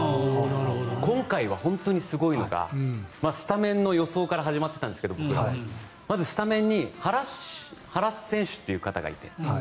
今回は本当にすごいのが僕らはスタメンの予想から始まってたんですけどまずスタメンに原選手という方がいて。